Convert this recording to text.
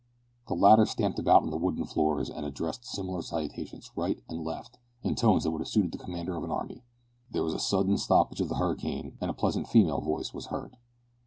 The latter stamped about on the wooden floors, and addressed similar salutations right and left in tones that would have suited the commander of an army. There was a sudden stoppage of the hurricane, and a pleasant female voice was heard.